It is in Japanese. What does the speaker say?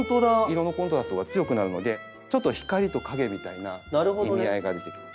色のコントラストが強くなるのでちょっと光と影みたいな意味合いが出てきて。